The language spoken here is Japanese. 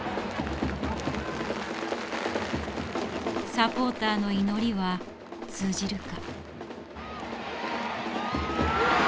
サポーターの祈りは通じるか。